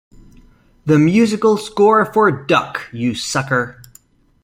The musical score for Duck, You Sucker!